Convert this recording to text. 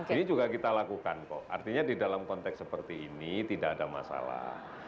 ini juga kita lakukan kok artinya di dalam konteks seperti ini tidak ada masalah